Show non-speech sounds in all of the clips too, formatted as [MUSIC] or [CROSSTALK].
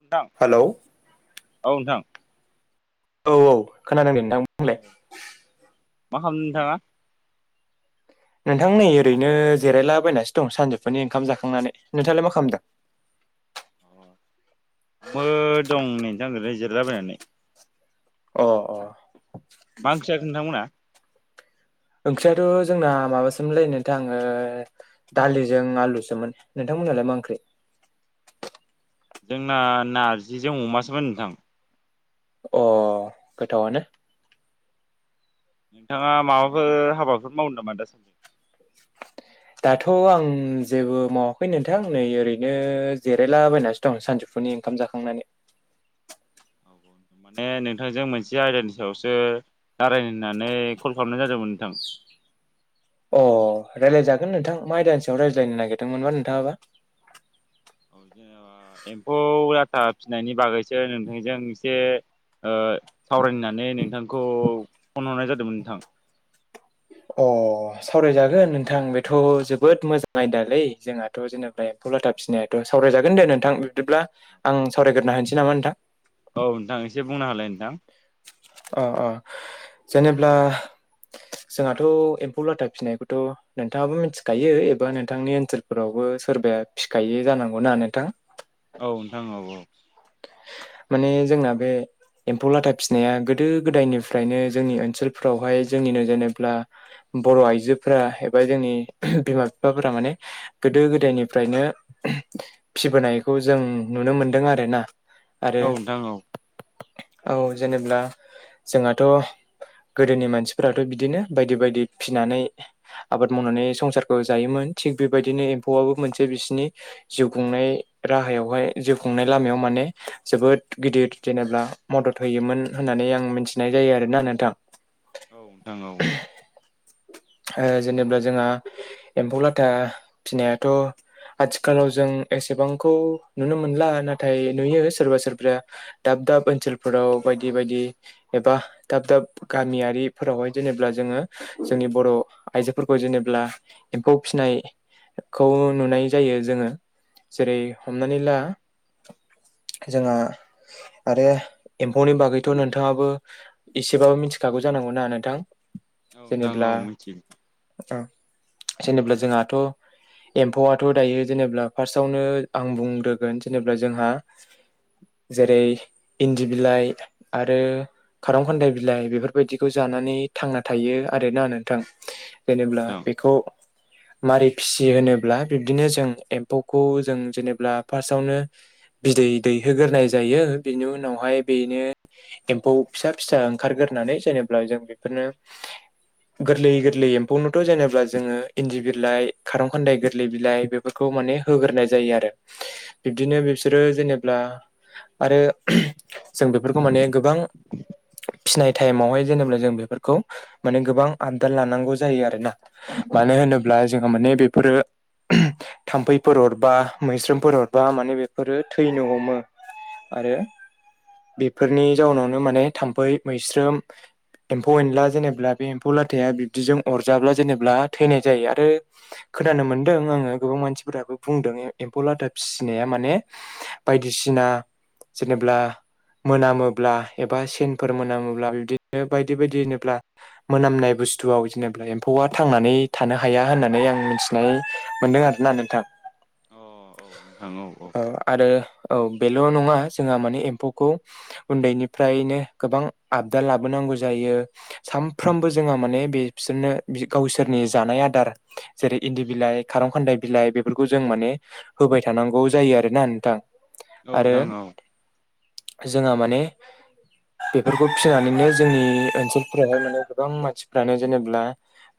नोंथां हेलौ औ नोंथां औ औ खोनादों नोंथां बुंलाय मा खालामदों नोंथाङा नोंथां नै ओरैनो जिरायलाबायनासो दं सानजौफोरनि ओंखाम जाखांनानै नोंथाङालाय मा खालामदों अ आबो दं नै नोंथां जिरलाबायायनानै अ अ मा ओंख्रि जाखो नोंथांमोना? ओंख्रियाथ' जोंना माबासोमोनलै नोंथां दालिजों आलुसोमोन नोंथां मोनालाय मा ओंख्रि? [INAUDIBLE] जोंना नारजिजों अमासोमोन नोंथां। अ गोथावानो नोंथाङा माबाफोर हाबाफोर मावनो नामा दासान्दि? दाथ' आं जेबो मावाखै नोंथां नै ओरैनो जिरायलाबायनासो दं सानजौफुनि ओंखाम जाखांनानै। [INAUDIBLE] माने नोंथांजों मोनसे आयदानि सायावसो रायलायनो होननानै कल खालामनाय जादोंमोन नोंथां [INAUDIBLE] अ रायज्लायजागोन नोंथां मा आइदानि सायाव रायज्लायनो नागिरदोंमोनबा नोंथाङाबा औ जेनेबा एम्फौ लाथा फिनायनि बागैसो नोंथांजों एसे ओ सावरायनो होननानै नोंथांखौ फन हरनाय जादोंमोन नोंथां अ सावरायजागोन नोंथां बेथ' जोबोद मोजा आयदालै जोंहाथ' जेनेबा 'लाथा फिनायाथ' सावरायजागोन दे नोंथां बिदिब्ला आं सावरायग्रोना होनोसै नामा नोंथां? औ नोंथां एसे बुंना होलाय नोंथां अ अ जेनेब्ला जोंहाथ' एम्फौ लाथा फिसिनायखौथ' नोंथाङाबो मिथिखायो एबा नोंथांनि ओनसोलफोरावबो सोरबाया फिखायो जानांगौना नोंथां औ नोंथां औ औ माने जोंना बे एम्फौ लाथा फिसिनाया गोदो-गोदायनिफ्रायनो जोंनि ओनसोलफोरावहाय जोंनि नोजोनोब्ला बर' आइजोफोरा एबा जोंनि बिमा-बिफाफोरा माने गोदो-गोदायनिफ्रायनो फिबोनायखौ जों नुनो मोनदों आरो ना। औ नोंथां औ औ जेनेब्ला जोंहाथ' गोदोनि मानसिफोराथ' बिदिनो बायदि बायदि फिनानै, आबाद मावनानै संसारखौ जायोमोन थिग बेबायदिनो एम्फौआबो मोनसे बिसिनि जिउ खुंनाय राहायावहाय जिउ खुंनाय लामायाव माने जोबोद गिदिर जेनेबा मदद होयोमोन होननानै आं मिथिनाय जायो आरोना नोंथां। औ नोंथां औ ओ जेनेबा जोंहा एम्फौ लाथा फिनायाथ' आथिखालाव जों एसेबांखौ नुनो मोनला, नाथाय नुयो सोरबा सोरबा दाब दाब ओनसोलफोराव बायदि बायदि एबा दाब दाब गामियारिफोरावहाय जेनेब्ला जोङो जोंनि बर' आइजोफोरखौ जेनेब्ला एम्फौ फिनाय खौ नुनाय जायो जोङो जेरै हमनानै ला [INAUDIBLE] जोंहा आरो एम्फौनि बागैथ' नोंथाङाबो एसेबाबो मिथिखागौ जानां गौना नोंथां औ नोंथां औ जेनेब्ला मिथियो औ जेनेब्ला जोंहाथ' एम्फौआथ' दायो जेनेबा फार्स्टआवनो आं बुंग्रोगोन जेनेब्ला जोंहा [INAUDIBLE] जेरै इन्दि बिलाइ आरो खारं खान्दाइ बिलाइ बेफोरबायदिखौ जानान नानै थांना थायो आरोना नोंथां जेनेब्ला नोंथां बेखौ मारै फिसियो होनोब्ला बिब्दिनो जों एम्फौखौ जों जेनेब्ला फार्स्टआवनो बिदै दैहोग्रोनाय जायो, बेनि उनावहाय बेनो एम्फौ फिसा-फिसा ओंखारगोरना नानै जेनेब्ला जों बेफोरनो गोरलै गोरलै एम्फौनोथ' जेनेब्ला जोङो इन्दि बिलाइ, खारं खान्दाय गोरलै बिलाइ बेफोरखौ मान होग्रोनाय जायो आरो बिब्दिनो बि बिसोरो जेनेब्ला आरो जों बेफोरखौ माने गोबां फिसिनाय टाइमावहाय जेनेबा जों बेफोरखौ माने गोबां आपदार लानांगौ जायो आरोना? मानो होनोब्ला जोङो माने बेफोरो थाम्फैफोर हरबा मैस्रोमफोर अरबा माने बे फोरो थैनो हमो आरो बेफोरनि जाउनावनो माने थाम्फै मैस्रोम एम्फौ एनला जेनेबा बे एम्फौ लाथाया बिब्दिजों अरजाब्ला जेनेा थैनाय जायो आरो खोनानो मोन्दों आङो गोबां मानसिफोराबो बुंदों एम्फौ लादा फिसिनाया माने बायदिसिना जेनेब्ला मोनामोब्ला एबा सेनफोर मोनामोब्ला बिदिनो बायदि बायदि होनोब्ला मोनामनाय बो बुस्थुआव जेनेबा एम्फौआ थांनानै थानो हाया होननानै आं मिथिनाय मोन्दों आरोना नोंथां। अ औ नोंथां औ औ औ आरो औ बेल' नङा जोंहा माने एम्फौखौ उन्दैनिफ्रायनो गोबां आबदा लाबोनांगौ जायो सानफ्रामबो जोंहा माने बे बिसोरनो गावसोरनि जानानै आदार जेरै इन्दि बिलाइ खारं खान्दाय बिलाइ बेफोरखौ जों माने होबाय थानांगौ जायो आरो ना नोंथां? औ नोंथां औ जोंहा माने बेफोरखौ फिसिनानैनो जोंनि ओनसोलफोरावहाय माने गोबां मानसिफ्रानो जेनेब्ला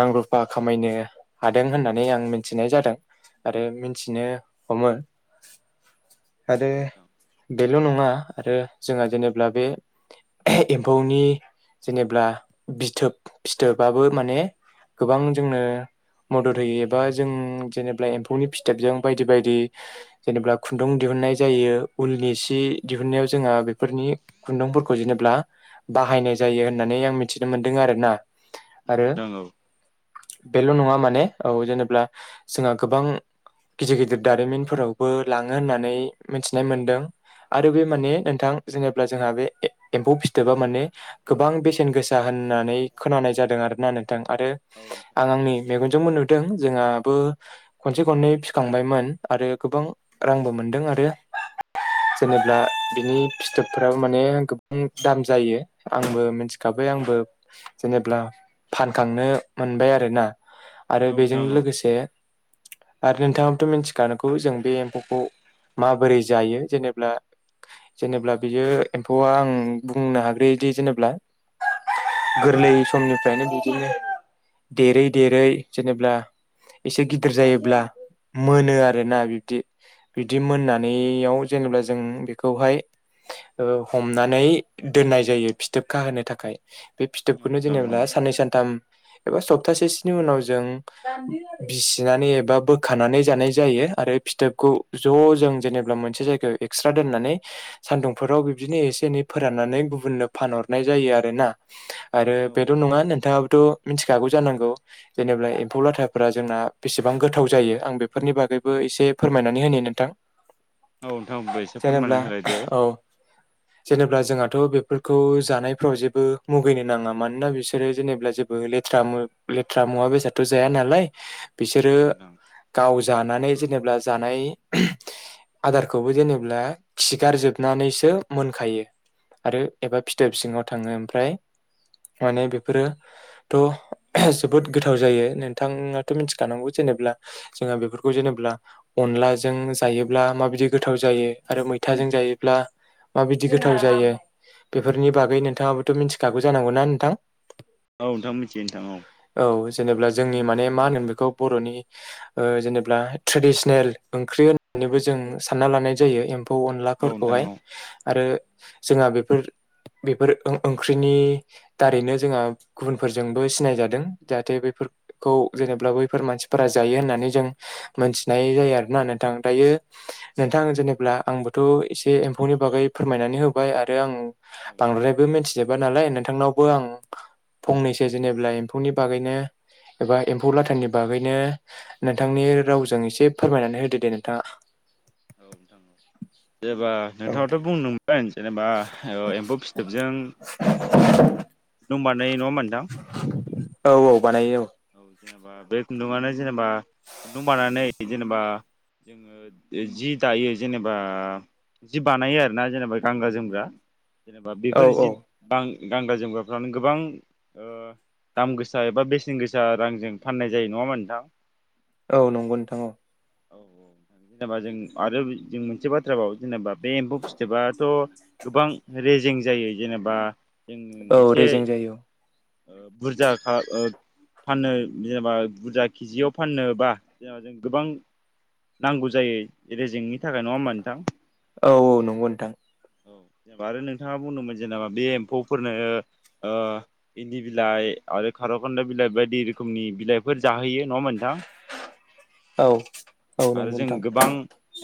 रां रुफा खामायनो हादों होननानै आं मिथिनाय जादों। आरो मिन्थिनो हमो। आरो औ बेल' नङा आरो जोंहा जेनेब्ला बे एम्फौनि जेनेब्ला बिथिथोब फिथोबाबो माने गोबां जोंनो मदद होयो एबा जों जेनेबा एम्फौनि फिथाबजों बायदि बायदि जेनेबा खुन्दुं दिहुननाय जायो उलनि सि दिहुननायाव जोंहा बेफोरनि खुन्दुंफोरखौ जेनेब्ला बाहायनाय जायो होननानै आं मिथिनो मोन्दों आरोना? औ आरो नोंथां औ बेल' नङा माने औ जेनेबा जोंहा गोबां गिदिर गिदिर दारिमिनफोरावबो लाङो होननानै मिथिनाय मोनदों आरो बे औ माने नोंथां जेनेा जोंहा बे एम्फौ फिथोबा माने गोबां बेसेन गोसा होननानै खोनानाय जादों आरोना नों थां आरो आं आंनि मेगनजोंबो नु दों जोंहाबो खनसे खननै फिखांबायमोन आरो गोबां रांबो मोनदों आरो जेनेब्ला बिनि फिथोबफ्राबो माने गोबां दाम जायो आंबो मिथिखा बाय आंबो जेनेब्ला फानखांनो मोनबाय आरोना। आरो बेजों नोंथां औ नोंथां औ लोगोसे आरो नोंथाङाबथ' मिथिखानांगौ जों बे एमफौखौ माबोरै जायो जेनेब्ला जेनेाब्ला बियो एम्फौआ आं बुंनो हाग्रोयोदि जेनेब्ला गोरलै समनिफ्रायनो बिदिनो देरै देरै जेनेब्ला एसे गिदिर जायोब्ला मोनो आरो ना बिब्दि बिदि मोननानैयाव जेनेबा जों बेखौहाय ओ हमनानै दोननाय जायो फिथोब खाहोनोनो थाखाय बे फिथोबखौनो नोंथां औ जोंङो साननै सानथाम एबा सप्तासेसोनि उनाव जों बिसिनानै एबा बोखानानै जानाय जायो आरो फिथोब खौ ज' जों जेनेबा मोनसे जायगायाव एक्सट्रा दोननानै सानदुंफोराव बिनो एसे एनै फोरान नानै गुबुनो फानहरनाय जायो आरोना आरो औ बेल नोंथां औ नंङा नोंथां थ' मिथिखागौ जानांगौ जेनेबा एम्फौ लाथाफोरा जोंना बेसेबां गोथाव जायो आं बेफोरनि बा गैबो एसे फोरमायनानै होनि नोंथां नोंथांबो एसे फोरमायना जेनेब्ला होलाय दे औ जेने ब्ला जोंहाथ' बेफोरखौ जानायफ्राव जेबो मुगैनो नांङा मानोना बिसोरो जेनेब्ला जेबो लेथ्रा लेथ्रा मुवा बेसादथ' जाया नालाय औ बिसोरो नोंथां गाव जानानै जेनबा जानाय आदारखौबो जेनेब्ला खिगारजोबनानैसो मोनखायो। आरो एबा फिथोब बि सिङाव थांङो ओमफ्राय माने बेफोरोथ' जोबोद गोथाव जायो नोंथाङाथ' मिथिखानांगौ जे नेब्ला जोंहा बेफोरखौ जेनब्ला अनलाजों जायोब्ला माबायदि गोथाव जायो आरो मैथाजों जायोब्ला माबायदि गोथाव जायो औ बेफोरनि बागै नोंथां नोंथाङाबोथ' मिथिखागौ जानांगौना नोंथां औ नोंथां मिथियो नोंथां औ। औ जेनेब्ला जोंनि माने मा होनोमो बेखौ बर'नि ओ जेनेबा ट्रेडिस नेल ओंख्रि होननानैबो जों सानना लानाय जायो एम्फौ औ नोंथां अनलाफोरखौहाय औ आरो जोंहा बेफोर बेफोर ओं-ओंख्रिनि दारैनो जोंहा गुबुनफोरजोंबो सिनायजादों जाहाथे बेफोर खौ जेनेब्ला बैफोर मानसिफोरा जायो होननानै जों मोनथि नाय जायो आरोना नोंथां दायो नोंथां जेनेब्ला आंबोथ' एसे एम्फौनि बागै फोरमायना नै होबाय आरो आंबो नोंथां बांद्रायबो मोनथिजोबा नालाय नोंथांनावबो आं फंनैसो जेनेब्ला एम्फौनि बागैनो एबा एम्फौ लाथानि बागैनो नोंथांनि रावजों ए से फोरमायनानै होदो दे नोंथाङा। औ नोंथां औ जेनेब्ला औ नोंथाङाथ' बुंदोंमोन जेनेब्ला एम्फौ फिथोबजों बानायो नङा होमबा नोंथां औ औ बानायो औ जेनेबा बे खुन्दुनो जेनेबा खुन्दुं बानायानानै जेनेबा जोंङो जि दायो जेनेबा जि बानायो आरो ना जेनेबा गानग्रा जोमग्रा। जेनेबा औ बेफोर औ जि गान-गानग्रा जोमग्राफ्रानो गोबां ओ दाम गोसा एबा बेसेन गोसा रांजों फाननाय जायो नंङा होमबा नोंथां। औ नंगौ नोंथां औ। औ औ जेनेबा जों आरो जों मोनसे बाथ्राबाव जेनेबा बे एम्फौ फिथोबाथ' गोबां रेजें जायो जेने जेनेबा जों औ एसे रेजें जायो बुरजा ओ फाननो जेनेबा बुरजा केजियाव फाननोबा जेनेबा जों गोबां नांगौ जायो रेजेंनि थाखाय नंङा होमा नोंथां। औ औ नंगौ नोंथां। औ। आरो नोंथाङा बुंदोंमोन जेनेबा बे एम्फौफोरनो ओ इन्दि बिलाइ आरो खार' खानदाइ बिलाइ बायदि रोखोमनि बिलाइफोर जाहोयो। नङा होनबा नोंथां? औ औ नंगौ आरो जों नोंथां गोबां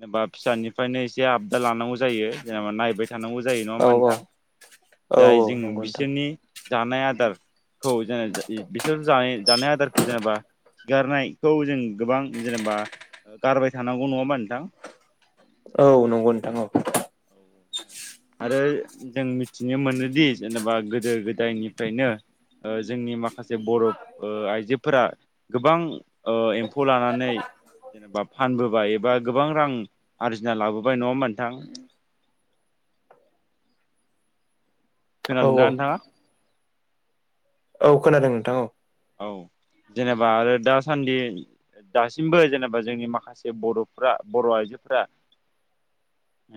जेनबा फिसानिफ्रायनो एसे आबदा लानांगौ जायो जेनबा नायबाय थानांगौ जायो नङा औ होमबा औ नोंथां? औ जाय औ जों नंगौ नोंथां बिसोरनि जानाय आदारखौ जों इ बिसोर जानाय जानाय आदारखौ जेनेबा गारनायखौ जों गोबां जेनेबा गारबाय थानांगौ नङा होमबा नोंथां। औ नंगौ नोंथां औ। आरो जों मिथिनो मोनोदि जेनेबा गोदो गोदायनिफ्रायनो जोंनि माखासे बर' ओ आइ जोफोरा गोबां ओ एम्फौ लानानै जेनेबा फानबोबाय एबा गोबां रां आरजिना लाबोबाय नङा होमबा नोंथां? औ खोनादों औ दा नोंथाङा? औ खोनादों नोंथां औ। औ जेनेबा आरो दासान्दि दासिमबो जेनेबा जोंनि माखासे बर'फ्रा बर' आइजोफ्रा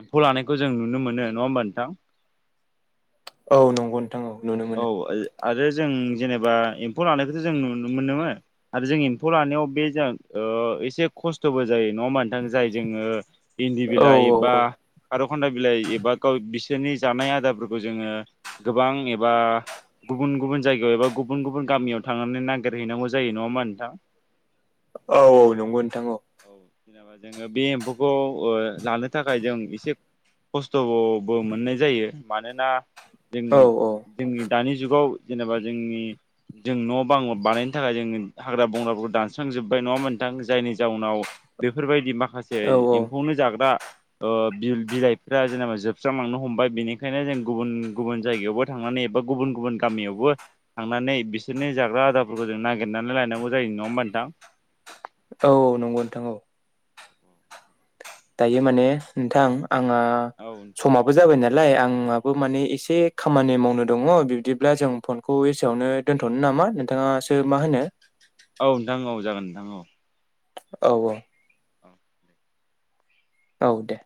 एम्फौ लानायखौ जों नुनो मोनो नङा होमबा नोंथां। औ नंगौ। नोंथां औ नुनो औ। मोनो आरो जों जेनेबा एम्फौ लानायखौथ जों नुनो मोनो आरो जों एम्फौ लानायाव बे जों ओ एसे खस्थबो जायो नङा होमबा नोंथां? जाय जोङो इन्दि औ बिलाइ औ बा औ खारौ खनदाइ बिलाइ एबा गाव बिसोरनि जानाय आदारफोरखौ जोङो गोबां एबा गुबुन गुबुन जायगायाव एबा गुबुन गुबुन गामियाव थांनानै नागिरहैनांगौ जायो नङा होमबा नोंथां? औ औ नंगौ नोंथां औ। जेनेबा जोङो बे एम्फौखौ ओ लानो थाखाय जों एसे खस्थ'बो मोननाय जायो मानोना जों औ औ। जोंनि दानि जुगाव जेनेबा जोंनि जों न' बां बानायनो थाखाय जों हाग्रा बंग्राफोरखौ दानस्रांजोबबाय नङा होमबा नोंथां? जायनि जाउनाव बेफोरबायदि माखासे औ एम्फौनो जाग्रा ओ बि-बिलाइफोरा जेनेबा जोबस्रांलांनो हमबाय बेनिखायनो जों गुबुन गुबुन जायगायावबो थांनानै एबा गुबुन गुबुन गामियावबो थांनानै बिसोरनि जाग्रा आदारफोरखौ जों नागिरनानै लायनांगौ जायो। नङा होमबा नोंथां? औ औ नंगौ नोंथां औ। दायो माने नोंथां आंहा औ समाबो जाबाय ना लाय आंहाबो माने एसे खामानि मावनो दङ बिब्दिब्ला जों फनखौ एसेयावनो दोन्थ'नो ना मा नोंथाङासो मा होनो? औ नोंथां औ जागोन नोंथां औ। औ औ। औ दे। औ दे।